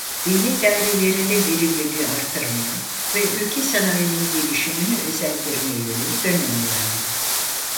Devlet dairelerinde verimliliği artırmaya ve ülke sanayisinin gelişimini özendirmeye yönelik önlemler aldı.